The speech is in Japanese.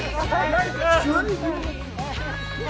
ナイス！